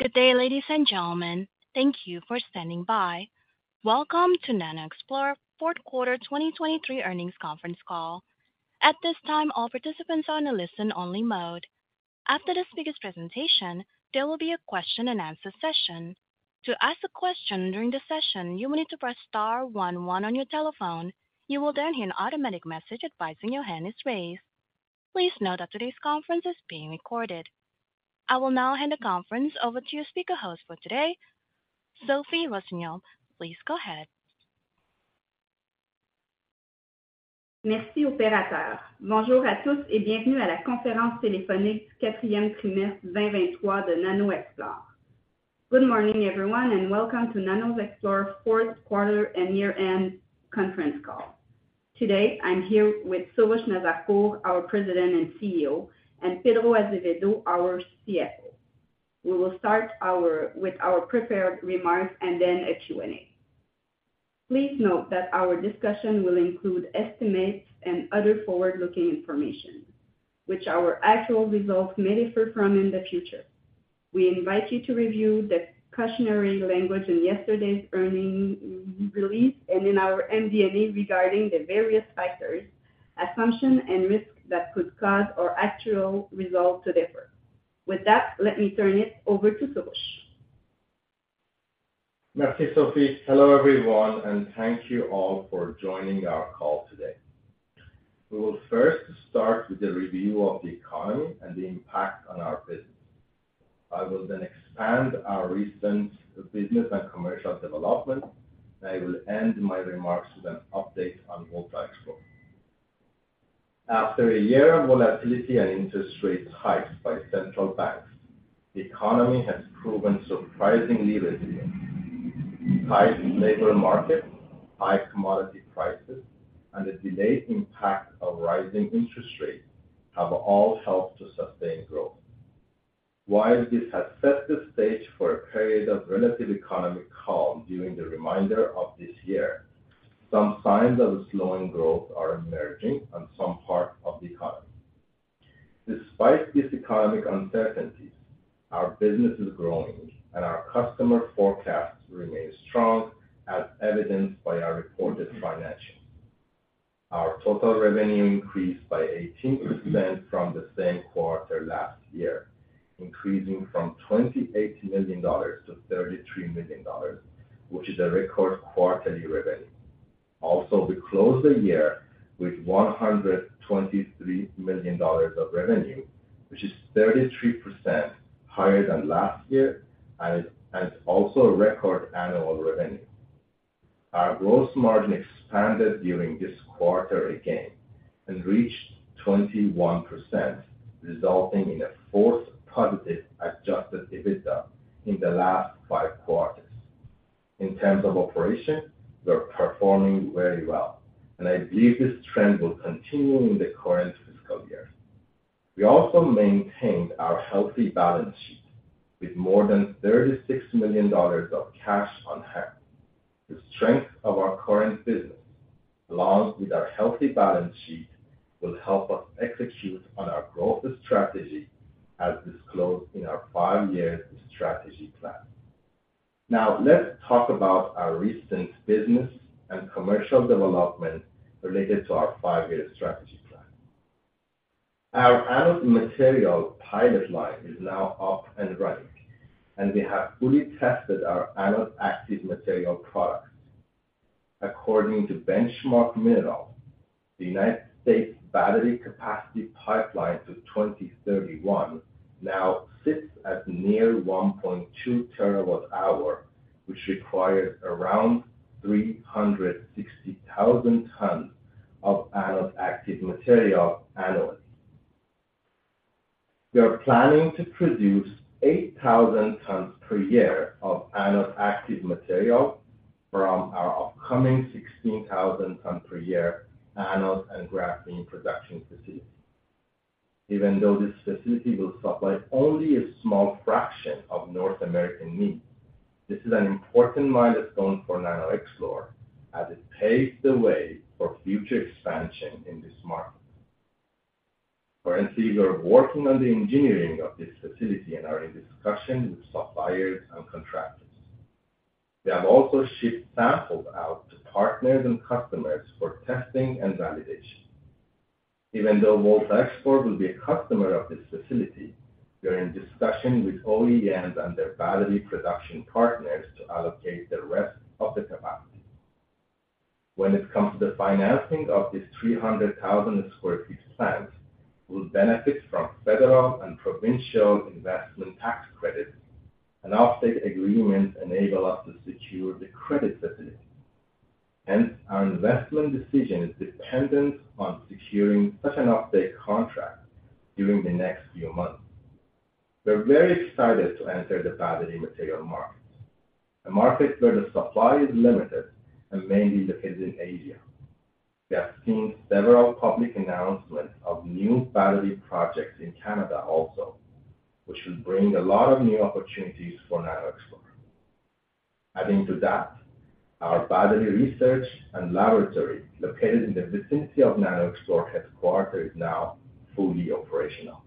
Good day, ladies and gentlemen. Thank you for standing by. Welcome to NanoXplore fourth quarter 2023 earnings conference call. At this time, all participants are on a listen-only mode. After the speaker's presentation, there will be a question-and-answer session. To ask a question during the session, you will need to press star one one on your telephone. You will then hear an automatic message advising your hand is raised. Please note that today's conference is being recorded. I will now hand the conference over to your speaker host for today, Sophie Bhagat. Please go ahead. Merci, opérateur. Bonjour à tous et bienvenue à la conférence téléphonique quatrième trimestre 2023 de NanoXplore. Good morning, everyone, and welcome to NanoXplore fourth quarter and year-end conference call. Today, I'm here with Soroush Nazarpour, our President and CEO, and Pedro Azevedo, our CFO. We will start with our prepared remarks and then a Q&A. Please note that our discussion will include estimates and other forward-looking information, which our actual results may differ from in the future. We invite you to review the cautionary language in yesterday's earnings release and in our MD&A regarding the various factors, assumptions, and risks that could cause our actual results to differ. With that, let me turn it over to Soroush. Merci, Sophie. Hello, everyone, and thank you all for joining our call today. We will first start with a review of the economy and the impact on our business. I will then expand our recent business and commercial development, and I will end my remarks with an update on NanoXplore. After a year of volatility and interest rates hikes by central banks, the economy has proven surprisingly resilient. High labor market, high commodity prices, and the delayed impact of rising interest rates have all helped to sustain growth. While this has set the stage for a period of relative economic calm during the remainder of this year, some signs of slowing growth are emerging on some parts of the economy. Despite these economic uncertainties, our business is growing and our customer forecasts remain strong, as evidenced by our reported financials. Our total revenue increased by 18% from the same quarter last year, increasing from 28 million dollars to 33 million dollars, which is a record quarterly revenue. Also, we closed the year with 123 million dollars of revenue, which is 33% higher than last year and also a record annual revenue. Our gross margin expanded during this quarter again and reached 21%, resulting in a fourth positive Adjusted EBITDA in the last five quarters. In terms of operation, we are performing very well, and I believe this trend will continue in the current fiscal year. We also maintained our healthy balance sheet with more than 36 million dollars of cash on hand. The strength of our current business, along with our healthy balance sheet, will help us execute on our growth strategy as disclosed in our five-year strategy plan. Now, let's talk about our recent business and commercial development related to our five-year strategy plan. Our anode material pilot line is now up and running, and we have fully tested our anode active material products. According to Benchmark Minerals, the United States battery capacity pipeline to 2031 now sits at near 1.2 terawatt hour, which requires around 360,000 tons of anode active material annually. We are planning to produce 8,000 tons per year of anode active material from our upcoming 16,000 tons per year anode and graphene production facility. Even though this facility will supply only a small fraction of North American needs, this is an important milestone for NanoXplore as it paves the way for future expansion in this market. Currently, we are working on the engineering of this facility and are in discussion with suppliers and contractors. We have also shipped samples out to partners and customers for testing and validation. Even though VoltaXplore will be a customer of this facility, we are in discussion with OEMs and their battery production partners to allocate the rest of the capacity. When it comes to the financing of this 300,000 sq ft plant, we'll benefit from federal and provincial Investment Tax Credits, and offtake agreements enable us to secure the credit facility; hence our investment decision is dependent on securing such an offtake contract during the next few months. We're very excited to enter the battery material market, a market where the supply is limited and mainly located in Asia. We have seen several public announcements of new battery projects in Canada also, which will bring a lot of new opportunities for NanoXplore.... Adding to that, our battery research and laboratory located in the vicinity of NanoXplore headquarters is now fully operational.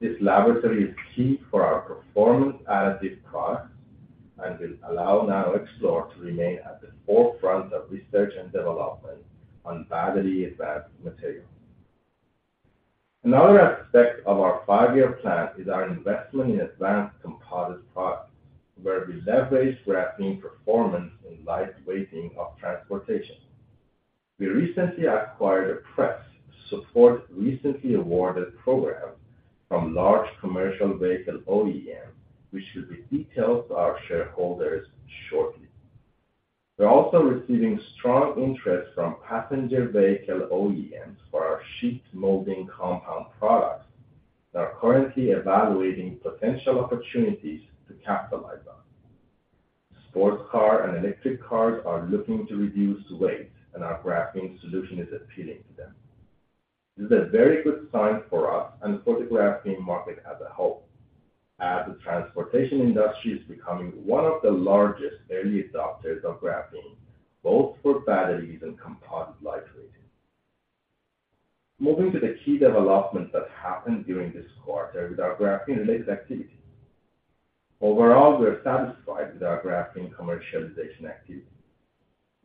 This laboratory is key for our performance additive products and will allow NanoXplore to remain at the forefront of research and development on battery advanced materials. Another aspect of our five-year plan is our investment in advanced composites products, where we leverage graphene performance in lightweighting of transportation. We recently acquired a press to support recently awarded program from large commercial vehicle OEM, which will be detailed to our shareholders shortly. We're also receiving strong interest from passenger vehicle OEMs for our sheet molding compound products, and are currently evaluating potential opportunities to capitalize on. Sports car and electric cars are looking to reduce weight, and our graphene solution is appealing to them. This is a very good sign for us and for the graphene market as a whole, as the transportation industry is becoming one of the largest early adopters of graphene, both for batteries and composite lightweighting. Moving to the key developments that happened during this quarter with our graphene-related activity. Overall, we are satisfied with our graphene commercialization activity.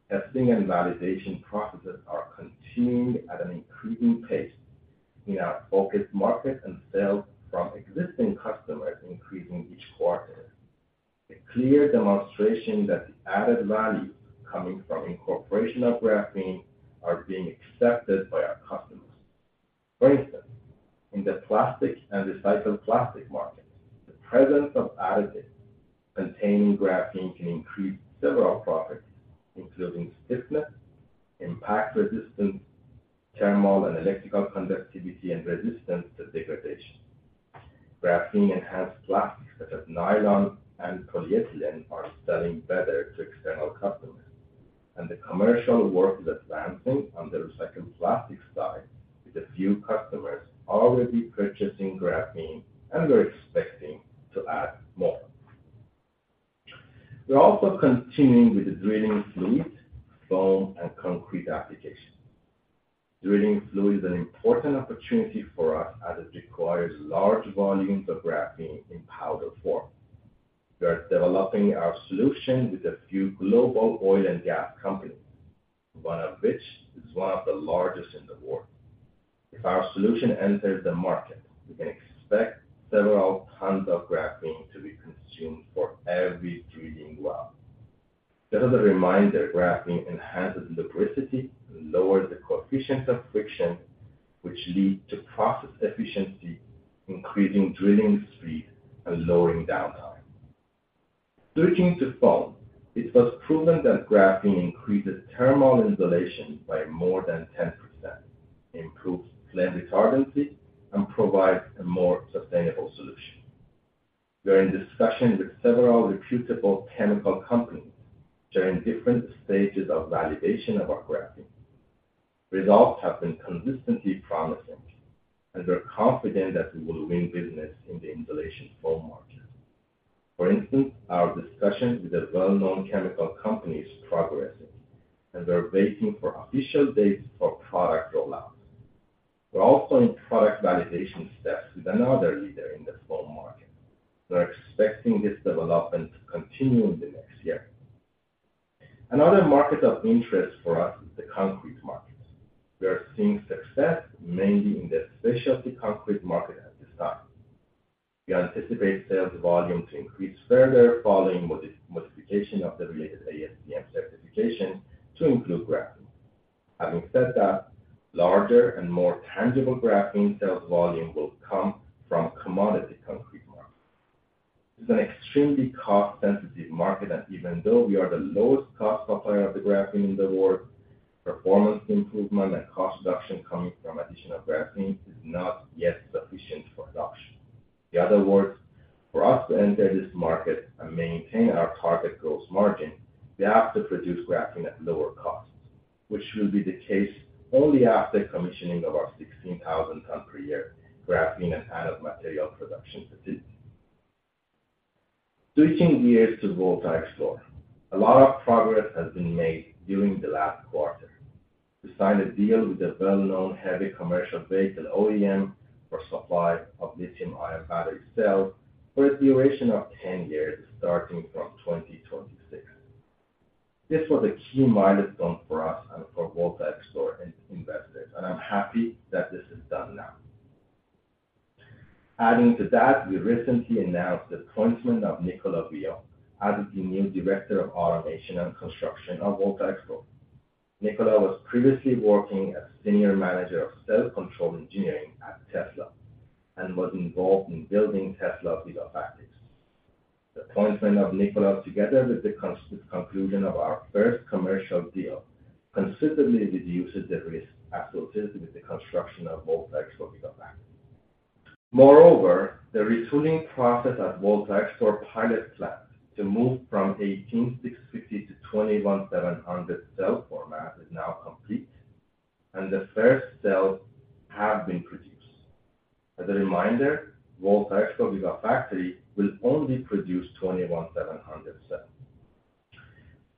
Testing and validation processes are continuing at an increasing pace in our focused markets, and sales from existing customers increasing each quarter. A clear demonstration that the added value coming from incorporation of graphene are being accepted by our customers. For instance, in the plastic and recycled plastic market, the presence of additives containing graphene can increase several properties, including stiffness, impact resistance, thermal and electrical conductivity, and resistance to degradation. Graphene-enhanced plastics, such as nylon and polyethylene, are selling better to external customers, and the commercial work is advancing on the recycled plastic side, with a few customers already purchasing graphene, and we're expecting to add more. We're also continuing with the drilling fluids, foam, and concrete application. Drilling fluid is an important opportunity for us, as it requires large volumes of graphene in powder form. We are developing our solution with a few global oil and gas companies, one of which is one of the largest in the world. If our solution enters the market, we can expect several tons of graphene to be consumed for every drilling well. Just as a reminder, graphene enhances lubricity and lowers the coefficient of friction, which lead to process efficiency, increasing drilling speed and lowering downtime. Switching to foam, it was proven that graphene increases thermal insulation by more than 10%, improves flame retardancy, and provides a more sustainable solution. We're in discussions with several reputable chemical companies during different stages of validation of our graphene. Results have been consistently promising, and we're confident that we will win business in the insulation foam market. For instance, our discussions with a well-known chemical company is progressing, and we're waiting for official dates for product rollouts. We're also in product validation steps with another leader in the foam market. We're expecting this development to continue in the next year. Another market of interest for us is the concrete market. We are seeing success mainly in the specialty concrete market at this time. We anticipate sales volume to increase further following modification of the related ASTM certification to include graphene. Having said that, larger and more tangible graphene sales volume will come from commodity concrete market. This is an extremely cost-sensitive market, and even though we are the lowest cost supplier of the graphene in the world, performance improvement and cost reduction coming from additional graphene is not yet sufficient for adoption. In other words, for us to enter this market and maintain our target gross margin, we have to produce graphene at lower costs, which will be the case only after commissioning of our 16,000 tons per year graphene and anode material production facility. Switching gears to VoltaXplore. A lot of progress has been made during the last quarter. We signed a deal with a well-known heavy commercial vehicle OEM for supply of lithium-ion battery cells for a duration of 10 years, starting from 2026. This was a key milestone for us and for VoltaXplore investors, and I'm happy that this is done now. Adding to that, we recently announced the appointment of Nicolas Veilleux as the new Director of Automation and Construction of VoltaXplore. Nicolas was previously working as Senior Manager of Cell Controls Engineering at Tesla, and was involved in building Tesla Gigafactories. The appointment of Nicolas, together with the conclusion of our first commercial deal, considerably reduces the risk associated with the construction of VoltaXplore Gigafactory. Moreover, the retooling process at VoltaXplore pilot plant to move from 18650 to 21700 cell format is now complete, and the first cells have been produced.... As a reminder, VoltaXplore Gigafactory will only produce 21700 cells.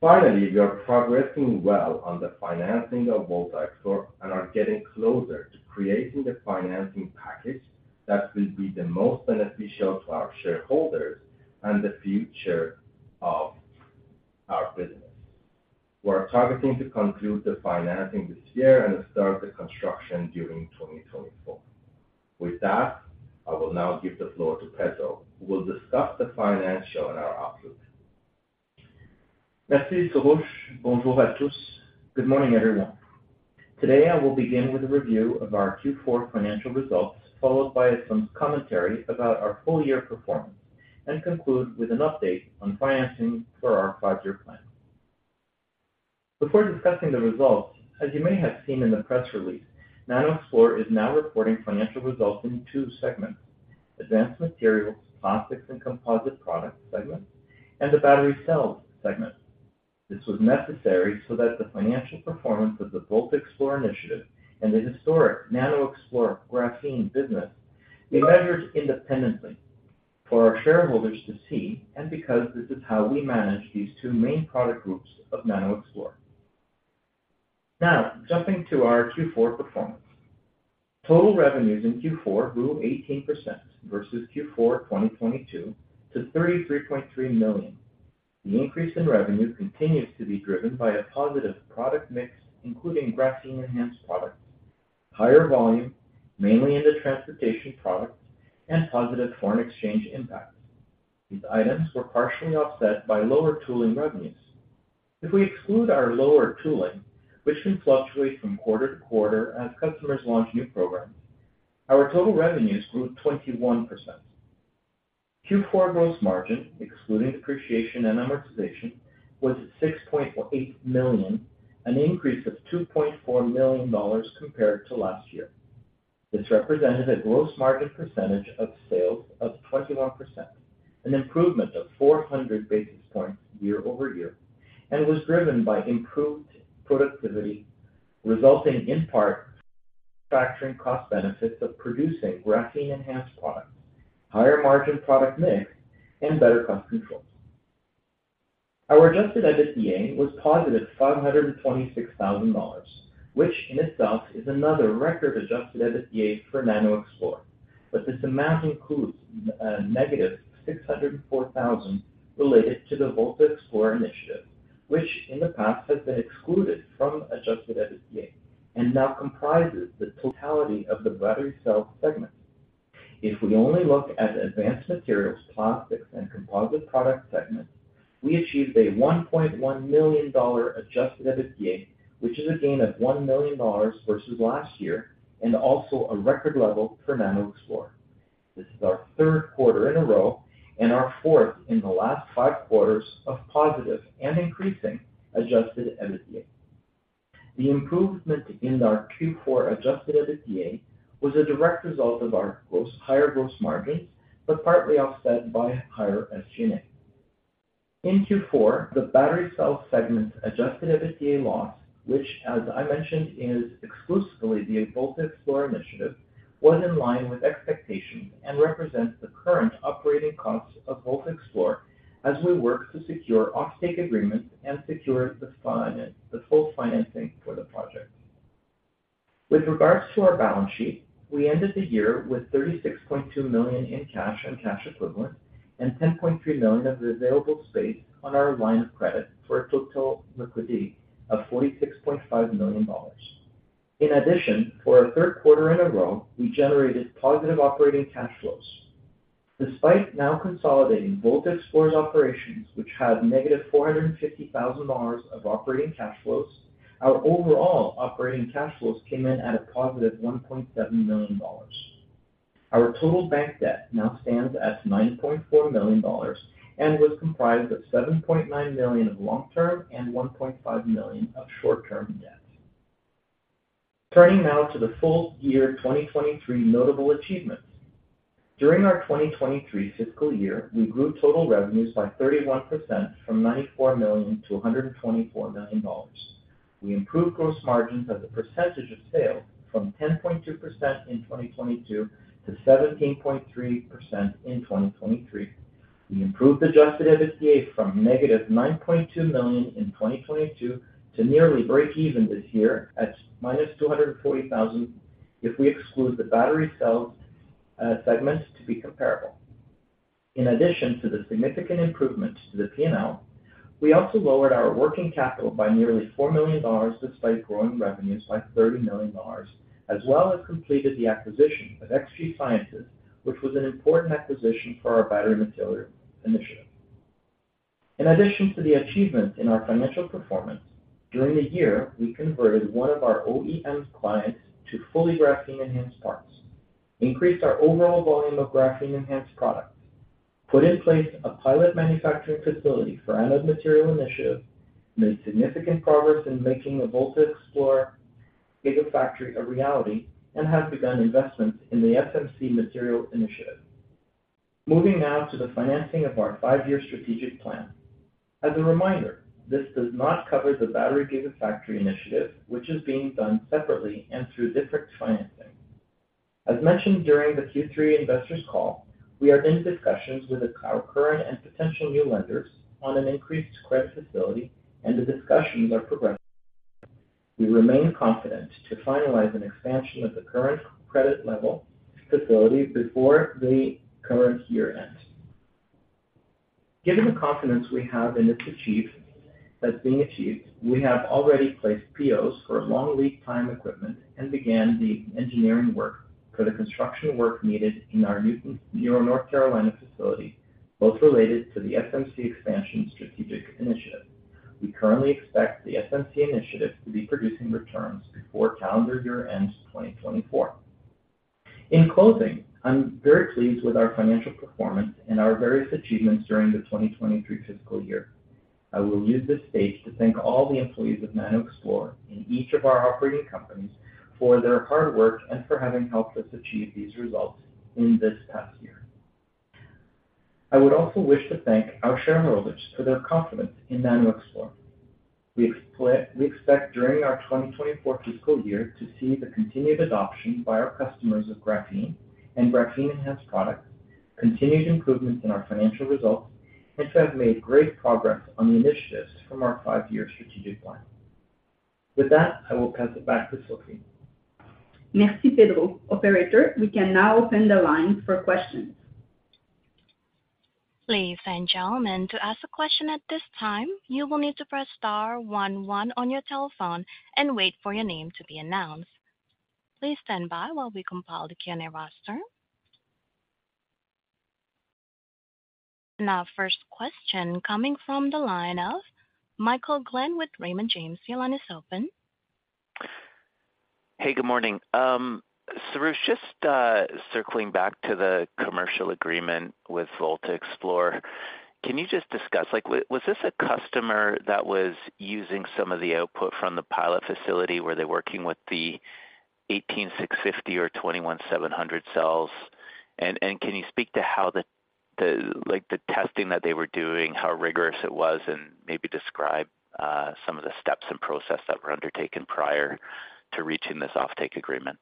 Finally, we are progressing well on the financing of VoltaXplore, and are getting closer to creating the financing package that will be the most beneficial to our shareholders and the future of our business. We are targeting to conclude the financing this year and start the construction during 2024. With that, I will now give the floor to Pedro, who will discuss the financials and our outlook. Merci, Soroush. Bonjour à tous. Good morning, everyone. Today I will begin with a review of our Q4 financial results, followed by some commentary about our full year performance, and conclude with an update on financing for our five-year plan. Before discussing the results, as you may have seen in the press release, NanoXplore is now reporting financial results in two segments: Advanced Materials, Plastics and Composite Products segment, and the Battery Cells segment. This was necessary so that the financial performance of the VoltaXplore initiative and the historic NanoXplore graphene business be measured independently for our shareholders to see, and because this is how we manage these two main product groups of NanoXplore. Now, jumping to our Q4 performance. Total revenues in Q4 grew 18% versus Q4 2022 to CAD 33.3 million. The increase in revenue continues to be driven by a positive product mix, including graphene-enhanced products, higher volume, mainly in the transportation products, and positive foreign exchange impacts. These items were partially offset by lower tooling revenues. If we exclude our lower tooling, which can fluctuate from quarter to quarter as customers launch new programs, our total revenues grew 21%. Q4 gross margin, excluding depreciation and amortization, was 6.8 million, an increase of 2.4 million dollars compared to last year. This represented a gross margin percentage of sales of 21%, an improvement of 400 basis points year-over-year, and was driven by improved productivity, resulting in part manufacturing cost benefits of producing graphene-enhanced products, higher margin product mix, and better cost controls. Our Adjusted EBITDA was positive 526 thousand dollars, which in itself is another record Adjusted EBITDA for NanoXplore. But this amount includes negative 604 thousand related to the VoltaXplore initiative, which in the past has been excluded from Adjusted EBITDA, and now comprises the totality of the battery cell segment. If we only look at advanced materials, plastics, and composite product segment, we achieved a 1.1 million dollar Adjusted EBITDA, which is a gain of 1 million dollars versus last year, and also a record level for NanoXplore. This is our third quarter in a row, and our fourth in the last five quarters of positive and increasing Adjusted EBITDA. The improvement in our Q4 Adjusted EBITDA was a direct result of higher gross margins, but partly offset by higher SG&A. In Q4, the battery cell segment's Adjusted EBITDA loss, which, as I mentioned, is exclusively the VoltaXplore initiative, was in line with expectations and represents the current operating costs of VoltaXplore as we work to secure offtake agreements and secure the finance, the full financing for the project. With regards to our balance sheet, we ended the year with 36.2 million in cash and cash equivalents, and 10.3 million of available space on our line of credit for a total liquidity of 46.5 million dollars. In addition, for a third quarter in a row, we generated positive operating cash flows. Despite now consolidating VoltaXplore's operations, which had negative 450,000 dollars of operating cash flows, our overall operating cash flows came in at a positive 1.7 million dollars. Our total bank debt now stands at 9.4 million dollars, and was comprised of 7.9 million of long-term and 1.5 million of short-term debt. Turning now to the full year 2023 notable achievements. During our 2023 fiscal year, we grew total revenues by 31% from 94 million to 124 million dollars. We improved gross margins as a percentage of sales from 10.2% in 2022 to 17.3% in 2023. We improved Adjusted EBITDA from -9.2 million in 2022 to nearly breakeven this year at -240,000, if we exclude the battery cells segment to be comparable. In addition to the significant improvements to the P&L, we also lowered our working capital by nearly 4 million dollars, despite growing revenues by 30 million dollars, as well as completed the acquisition of XG Sciences, which was an important acquisition for our battery material initiative. In addition to the achievements in our financial performance, during the year, we converted one of our OEM clients to fully graphene-enhanced parts, increased our overall volume of graphene-enhanced products, put in place a pilot manufacturing facility for anode material initiative, made significant progress in making the VoltaXplore Gigafactory a reality, and have begun investments in the SMC Material initiative.... Moving now to the financing of our five-year strategic plan. As a reminder, this does not cover the battery Gigafactory initiative, which is being done separately and through different financing. As mentioned during the Q3 investors call, we are in discussions with our current and potential new lenders on an increased credit facility, and the discussions are progressing. We remain confident to finalize an expansion of the current credit level facility before the current year ends. Given the confidence we have in this achievement, that's being achieved, we have already placed POs for long lead time equipment and began the engineering work for the construction work needed in our new North Carolina facility, both related to the SMC expansion strategic initiative. We currently expect the SMC initiative to be producing returns before calendar year 2024 ends. In closing, I'm very pleased with our financial performance and our various achievements during the 2023 fiscal year. I will use this stage to thank all the employees of NanoXplore in each of our operating companies for their hard work and for having helped us achieve these results in this past year. I would also wish to thank our shareholders for their confidence in NanoXplore. We expect, we expect during our 2024 fiscal year to see the continued adoption by our customers of graphene and graphene-enhanced products, continued improvements in our financial results, and to have made great progress on the initiatives from our five-year strategic plan. With that, I will pass it back to Sophie. Merci, Pedro. Operator, we can now open the line for questions. Ladies and gentlemen, to ask a question at this time, you will need to press star one one on your telephone and wait for your name to be announced. Please stand by while we compile the Q&A roster. Now, first question coming from the line of Michael Glen with Raymond James. Your line is open. Hey, good morning. Soroush, just circling back to the commercial agreement with VoltaXplore. Can you just discuss, like, was this a customer that was using some of the output from the pilot facility? Were they working with the 18650 or 21700 cells? And can you speak to how the, like, the testing that they were doing, how rigorous it was, and maybe describe some of the steps and process that were undertaken prior to reaching this offtake agreement?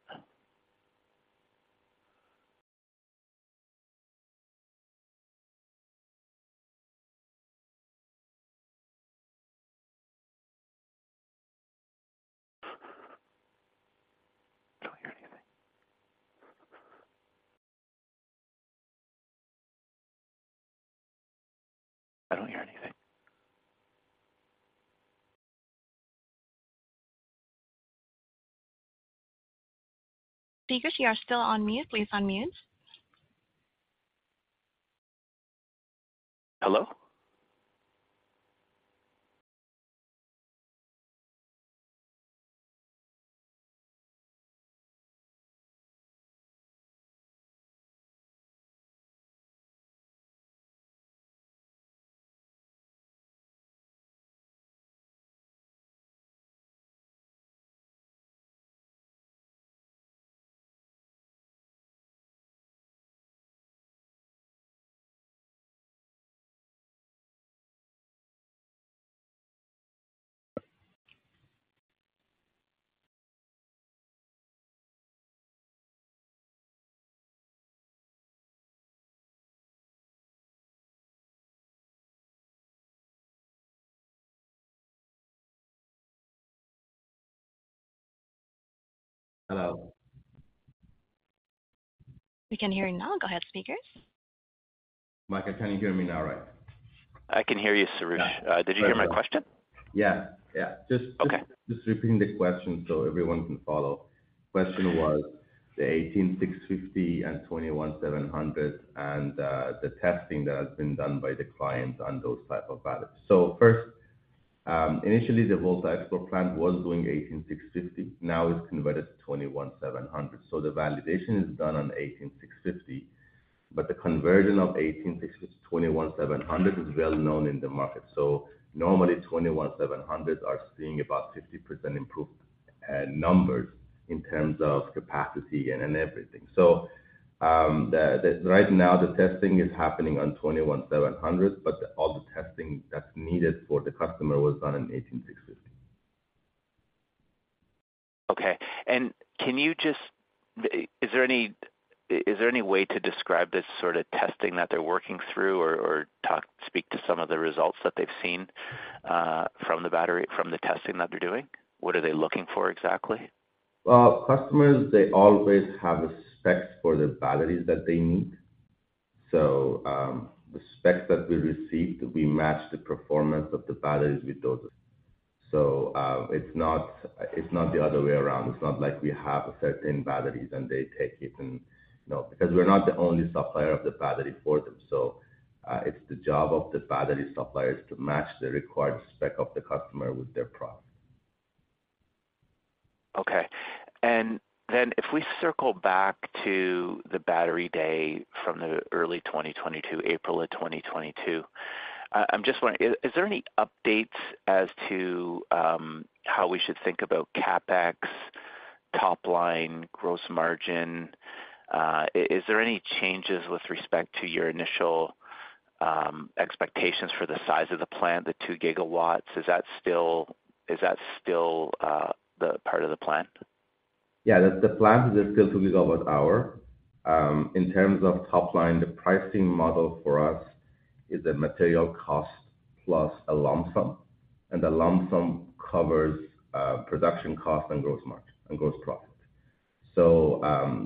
I don't hear anything. I don't hear anything. Speaker, you are still on mute. Please unmute. Hello? Hello. We can hear you now. Go ahead, speaker. Michael, can you hear me now? All right? I can hear you, Soroush. Did you hear my question? Yeah, yeah. Okay. Just repeating the question so everyone can follow. The question was the 18650 and 21700, and the testing that has been done by the client on those type of batteries. So first, initially the VoltaXplore plant was doing 18650, now it's converted to 21700. So the validation is done on 18650, but the conversion of 18650 to 21700 is well known in the market. So normally, 21700 are seeing about 50% improved numbers in terms of capacity and in everything. So, right now the testing is happening on 21700, but all the testing that's needed for the customer was done on 18650. Okay, and can you just... Is there any, is there any way to describe this sort of testing that they're working through or, or talk, speak to some of the results that they've seen, from the battery, from the testing that they're doing? What are they looking for exactly? Well, customers, they always have a spec for the batteries that they need. So, the specs that we received, we match the performance of the batteries with those. So, it's not, it's not the other way around. It's not like we have certain batteries and they take it and... No, because we're not the only supplier of the battery for them. So, it's the job of the battery suppliers to match the required spec of the customer with their product. Okay. If we circle back to the battery day from early 2022, April 2022, I'm just wondering, is there any updates as to how we should think about CapEx? Top line gross margin, is there any changes with respect to your initial expectations for the size of the plant, the 2 gigawatts? Is that still the part of the plan? Yeah, the plan is still 2 GWh. In terms of top line, the pricing model for us is a material cost plus a lump sum, and the lump sum covers production cost and gross margin, and gross profit. So,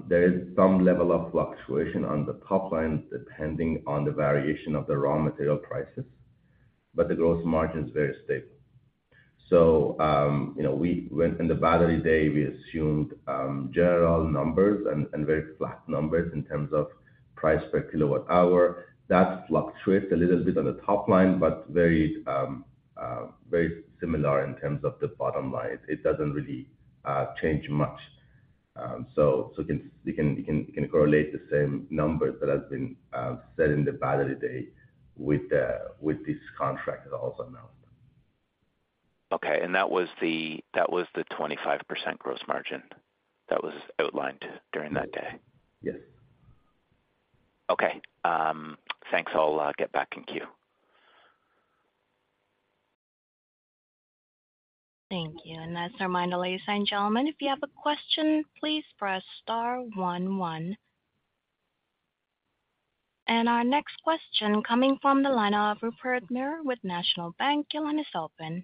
there is some level of fluctuation on the top line, depending on the variation of the raw material prices, but the gross margin is very stable. So, you know, we went in the Battery Day, we assumed general numbers and very flat numbers in terms of price per kilowatt hour. That fluctuates a little bit on the top line, but very similar in terms of the bottom line. It doesn't really change much. So you can correlate the same numbers that has been said in the Battery Day with this contract that also announced. Okay. That was the 25% gross margin that was outlined during that day? Yes. Okay. Thanks. I'll get back in queue. Thank you. That's a reminder, ladies and gentlemen, if you have a question, please press star one one. Our next question coming from the line of Rupert Merer with National Bank Financial. Your line is open.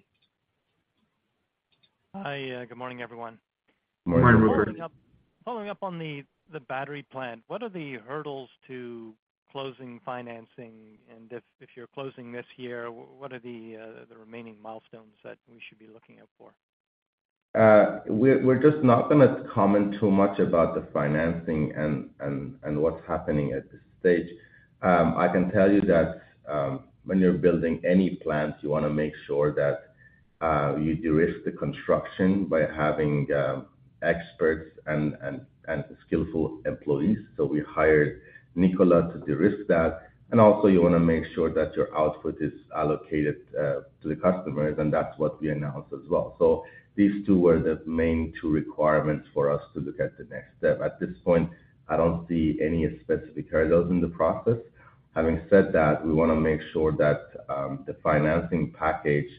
Hi, good morning, everyone. Good morning, Rupert. Following up on the battery plant, what are the hurdles to closing financing? And if you're closing this year, what are the remaining milestones that we should be looking out for? We're just not gonna comment too much about the financing and what's happening at this stage. I can tell you that when you're building any plant, you wanna make sure that you de-risk the construction by having experts and skillful employees. So we hired Nicolas to de-risk that. And also you wanna make sure that your output is allocated to the customers, and that's what we announced as well. So these two were the main two requirements for us to look at the next step. At this point, I don't see any specific hurdles in the process. Having said that, we wanna make sure that the financing package,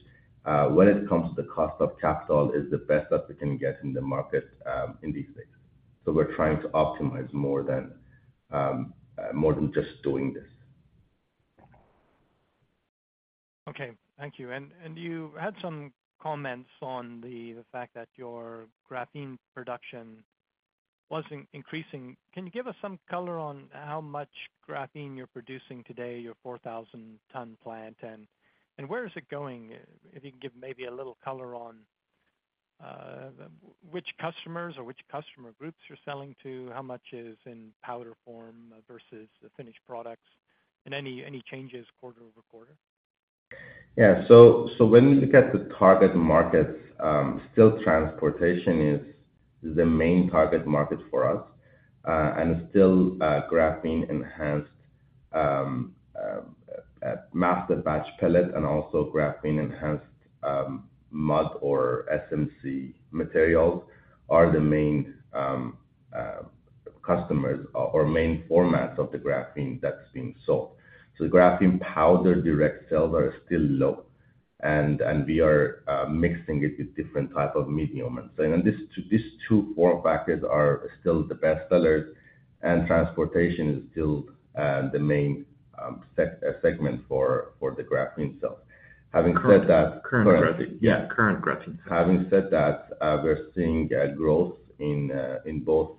when it comes to the cost of capital, is the best that we can get in the market in these days. So we're trying to optimize more than, more than just doing this. Okay, thank you. And you had some comments on the fact that your graphene production wasn't increasing. Can you give us some color on how much graphene you're producing today, your 4,000-ton plant? And where is it going? If you can give maybe a little color on which customers or which customer groups you're selling to, how much is in powder form versus the finished products, and any changes quarter-over-quarter? Yeah. So when we look at the target markets, still transportation is the main target market for us. And still, graphene-enhanced masterbatch pellet and also graphene-enhanced mold or SMC materials are the main customers or main formats of the graphene that's being sold. So the graphene powder direct sales are still low, and we are mixing it with different type of medium. And so these two form factors are still the best sellers, and transportation is still the main segment for the graphene itself. Having said that- Current graphene. Yeah. Current graphene. Having said that, we're seeing a growth in both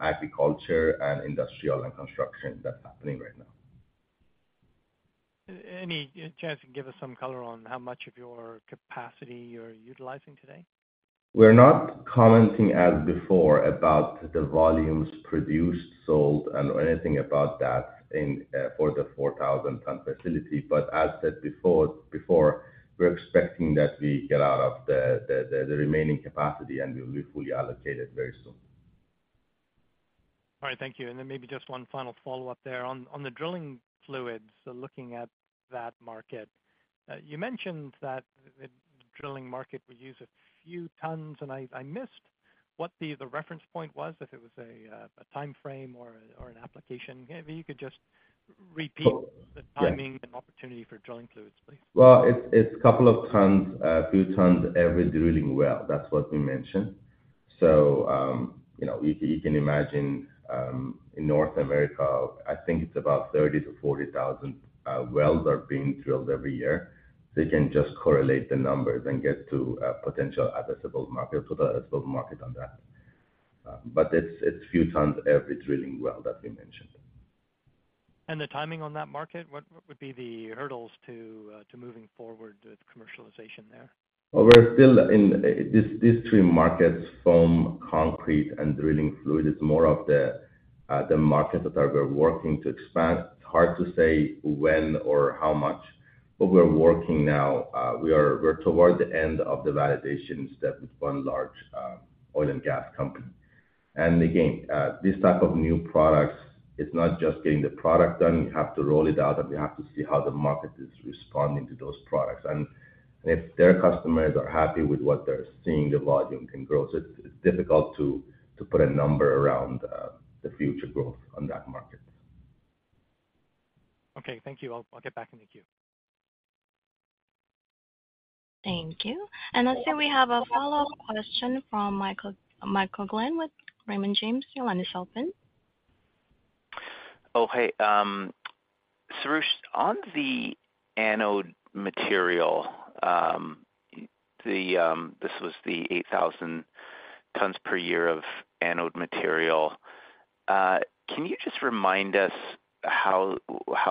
agriculture and industrial and construction. That's happening right now. Any chance you can give us some color on how much of your capacity you're utilizing today? We're not commenting as before about the volumes produced, sold, and anything about that in for the 4,000-ton facility. But as said before, we're expecting that we get out of the remaining capacity and we'll be fully allocated very soon. All right, thank you. Then maybe just one final follow-up there. On the drilling fluids, so looking at that market, you mentioned that the drilling market would use a few tons, and I missed what the reference point was, if it was a time frame or an application. Maybe you could just repeat the timing and opportunity for drilling fluids, please. Well, it's a couple of tons, a few tons, every drilling well. That's what we mentioned. So, you know, you can imagine, in North America, I think it's about 30,000-40,000 wells are being drilled every year. So you can just correlate the numbers and get to a potential addressable market, to the addressable market on that. But it's a few tons every drilling well that we mentioned. And the timing on that market, what would be the hurdles to moving forward with commercialization there? Well, we're still in... These, these three markets, foam, concrete, and drilling fluid, is more of the, the markets that are we're working to expand. It's hard to say when or how much, but we're working now. We are- we're towards the end of the validation step with one large oil and gas company. And again, this type of new products, it's not just getting the product done. You have to roll it out, and we have to see how the market is responding to those products. And if their customers are happy with what they're seeing, the volume can grow. So it's, it's difficult to, to put a number around, the future growth on that market. Okay, thank you. I'll get back in the queue. Thank you. And next we have a follow-up question from Michael, Michael Glen with Raymond James. Your line is open. Oh, hey. Soroush, on the anode material, this was the 8,000 tons per year of anode material. Can you just remind us how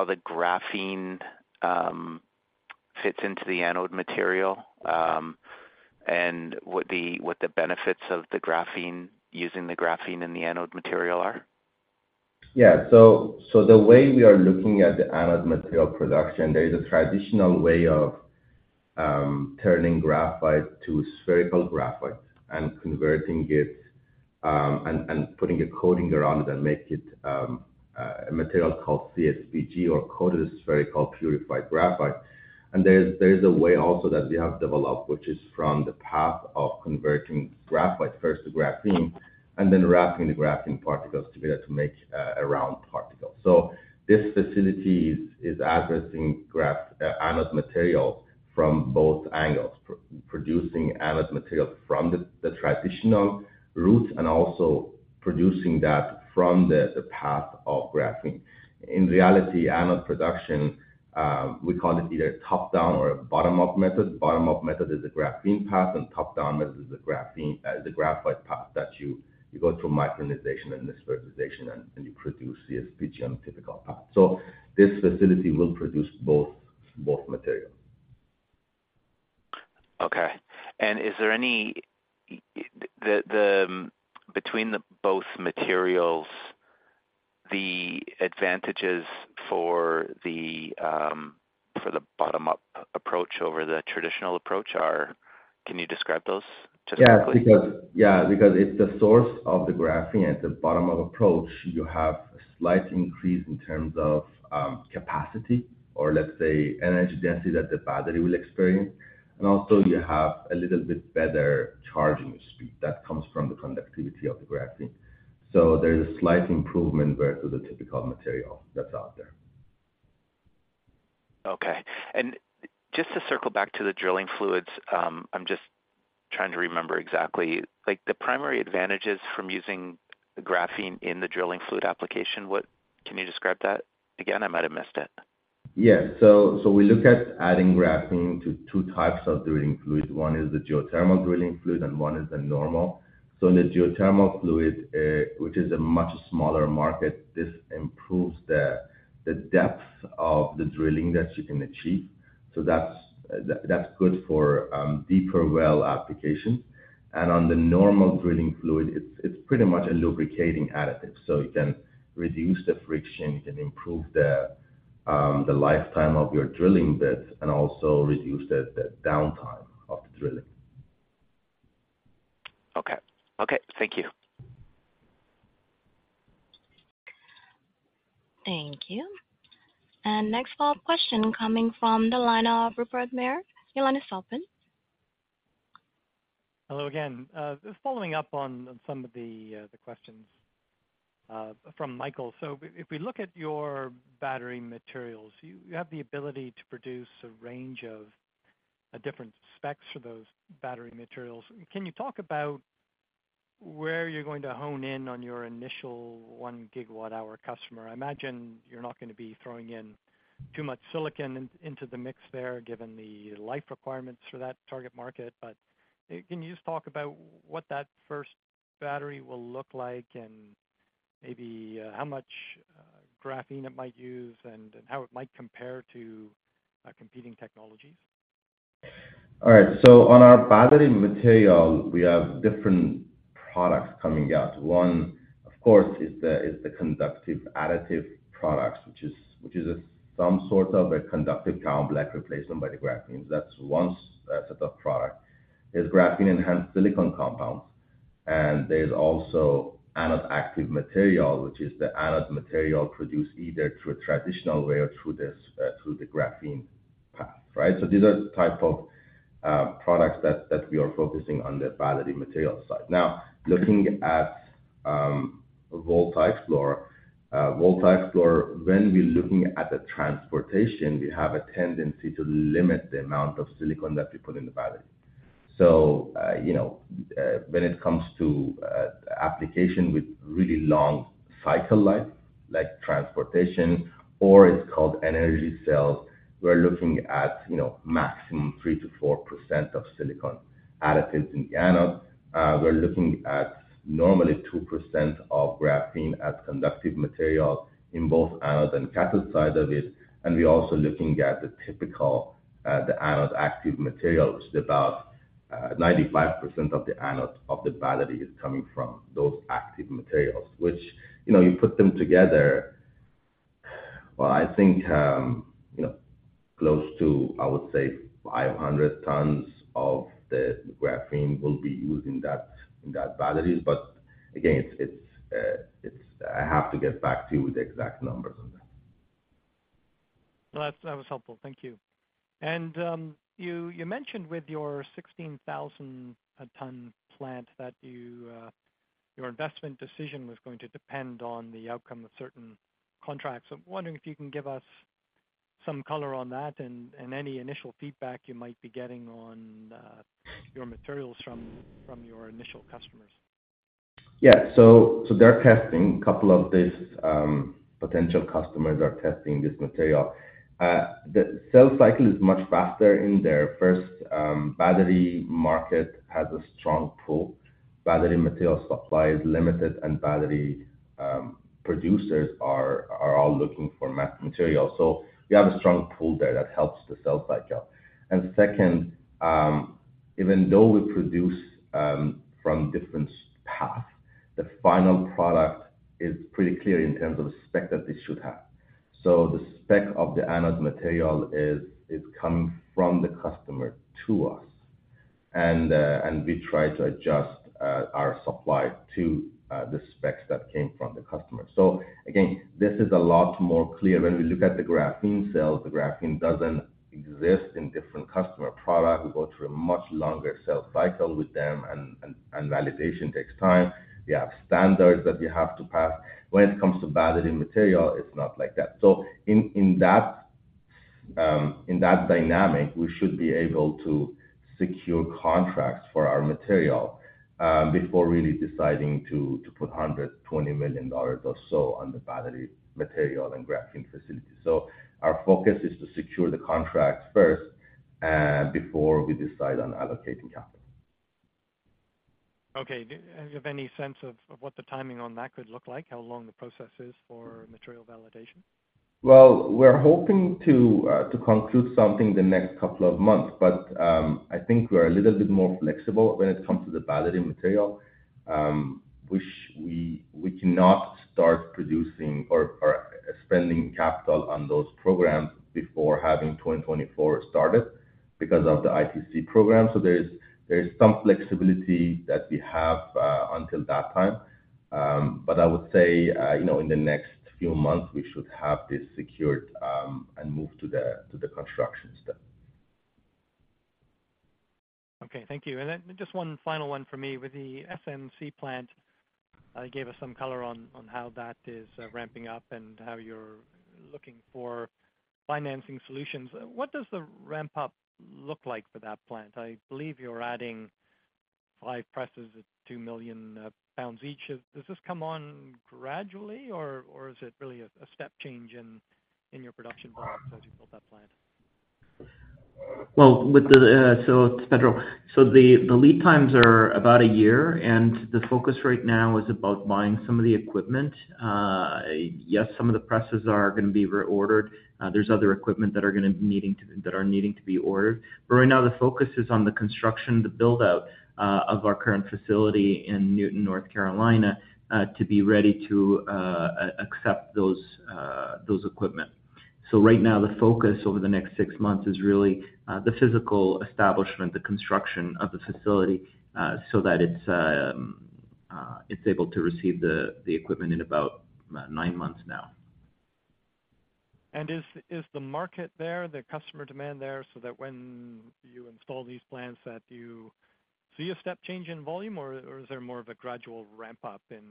the graphene fits into the anode material, and what the benefits of the graphene, using the graphene in the anode material are? Yeah. So the way we are looking at the anode material production, there is a traditional way of turning graphite to spherical graphite and converting it, and putting a coating around it that make it a material called CSPG or coated spherical purified graphite. And there is a way also that we have developed, which is from the path of converting graphite first to graphene, and then wrapping the graphene particles together to make a round particle. So this facility is addressing graphene anode material from both angles, producing anode material from the traditional route, and also producing that from the path of graphene. In reality, anode production, we call it either top-down or bottom-up method. Bottom-up method is the graphene path, and top-down method is the graphene, the graphite path that you go through micronization and dispersion and you produce CSPG on typical path. So this facility will produce both, both material. Okay. And is there any between the both materials, the advantages for the bottom-up approach over the traditional approach are? Can you describe those specifically? Yeah, because, yeah, because if the source of the graphene at the bottom-up approach, you have a slight increase in terms of, capacity, or let's say energy density that the battery will experience. And also you have a little bit better charging speed that comes from the conductivity of the graphene. So there's a slight improvement versus the typical material that's out there. Okay. And just to circle back to the drilling fluids, I'm just trying to remember exactly, like, the primary advantages from using graphene in the drilling fluid application. Can you describe that again? I might have missed it. Yeah. So, so we look at adding graphene to two types of drilling fluids. One is the geothermal drilling fluid, and one is the normal. So in the geothermal fluid, which is a much smaller market, this improves the depth of the drilling that you can achieve. So that's good for deeper well application. And on the normal drilling fluid, it's pretty much a lubricating additive, so it can reduce the friction, it can improve the lifetime of your drilling bits and also reduce the downtime of the drilling. Okay. Okay, thank you. Thank you. And next follow-up question coming from the line of Rupert Merer. Your line is open. Hello again. Just following up on some of the questions from Michael. So if we look at your battery materials, you have the ability to produce a range of different specs for those battery materials. Can you talk about where you're going to hone in on your initial 1 gigawatt hour customer? I imagine you're not going to be throwing in too much silicon into the mix there, given the life requirements for that target market. But can you just talk about what that first battery will look like and maybe how much graphene it might use and how it might compare to competing technologies? All right. So on our battery material, we have different products coming out. One, of course, is the conductive additive products, which is some sort of a conductive carbon black replacement by the graphene. So that's one set of product, is graphene-enhanced silicon compounds. And there's also anode active material, which is the anode material produced either through a traditional way or through this, through the graphene path, right? So these are the type of products that we are focusing on the battery material side. Now, looking at VoltaXplore. VoltaXplore, when we're looking at the transportation, we have a tendency to limit the amount of silicon that we put in the battery. So, you know, when it comes to application with really long cycle life, like transportation or it's called energy cells, we're looking at, you know, maximum 3%-4% of silicon additives in the anode. We're looking at normally 2% of graphene as conductive material in both anode and cathode side of it. And we're also looking at the typical, the anode active material, which is about 95% of the anode of the battery is coming from those active materials, which, you know, you put them together. Well, I think, you know, close to, I would say, 500 tons of the graphene will be used in that, in that batteries. But again, it's, it's, it's. I have to get back to you with the exact numbers on that. Well, that's, that was helpful. Thank you. And, you, you mentioned with your 16,000-ton plant, that you, your investment decision was going to depend on the outcome of certain contracts. I'm wondering if you can give us some color on that, and, and any initial feedback you might be getting on, your materials from, from your initial customers. Yeah. So they're testing. A couple of these potential customers are testing this material. The sales cycle is much faster in their first battery market, has a strong pull. Battery material supply is limited, and battery producers are all looking for material. So we have a strong pull there that helps the sales cycle. And second, even though we produce from different paths, the final product is pretty clear in terms of the spec that this should have. So the spec of the anode material is coming from the customer to us, and we try to adjust our supply to the specs that came from the customer. So again, this is a lot more clear. When we look at the graphene cells, the graphene doesn't exist in different customer product. We go through a much longer sales cycle with them, and validation takes time. We have standards that we have to pass. When it comes to battery material, it's not like that. So in that dynamic, we should be able to secure contracts for our material, before really deciding to put 120 million dollars or so on the battery material and graphene facility. So our focus is to secure the contracts first, before we decide on allocating capital. Okay. Do you have any sense of what the timing on that could look like, how long the process is for material validation? Well, we're hoping to conclude something the next couple of months. But, I think we're a little bit more flexible when it comes to the battery material, which we cannot start producing or spending capital on those programs before having 2024 started because of the ITC program. So there's some flexibility that we have until that time. But I would say, you know, in the next few months, we should have this secured, and move to the construction step. Okay. Thank you. And then just one final one for me. With the SMC plant, you gave us some color on how that is ramping up and how you're looking for financing solutions. What does the ramp up look like for that plant? I believe you're adding five presses at 2 million pounds each. Does this come on gradually, or is it really a step change in your production volume as you build that plant? Well, with the... So it's Pedro. So the lead times are about a year, and the focus right now is about buying some of the equipment. Yes, some of the presses are gonna be reordered. There's other equipment that are needing to be ordered. But right now the focus is on the construction, the build-out of our current facility in Newton, North Carolina, to be ready to accept those equipment. So right now, the focus over the next six months is really the physical establishment, the construction of the facility, so that it's able to receive the equipment in about nine months now. Is the market there, the customer demand there, so that when you install these plants that you see a step change in volume, or is there more of a gradual ramp up in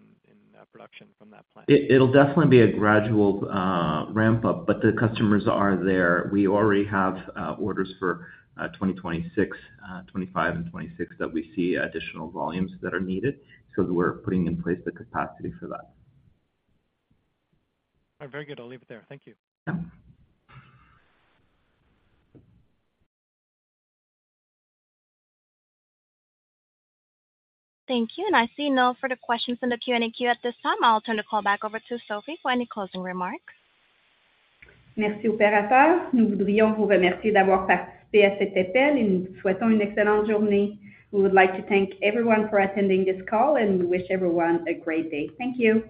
production from that plant? It'll definitely be a gradual ramp up, but the customers are there. We already have orders for 2026, 2025 and 2026, that we see additional volumes that are needed. So we're putting in place the capacity for that. All right. Very good. I'll leave it there. Thank you. Yeah. Thank you, and I see no further questions in the Q&A queue at this time. I'll turn the call back over to Sophie for any closing remarks. Merci, opérateur. Nous voudrions vous remercier d'avoir participé à cet appel, et nous vous souhaitons une excellente journée. We would like to thank everyone for attending this call, and we wish everyone a great day. Thank you.